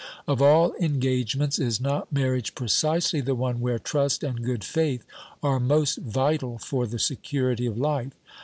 Of all engagements, is not marriage precisely the one where trust and good faith are most vital for the security of life